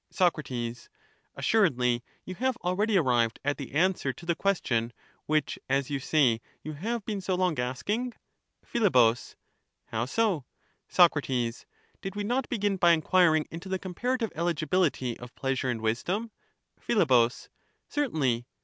Soc, Assuredly you have already arrived at the answer to the question which, as you say, you have been so long asking ? Phi, How so? Soc. Did we not begin by enquiring into the comparative eligibility of pleasure and wisdom ? Phi, Certainly.